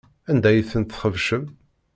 Anda ay tent-txebcem?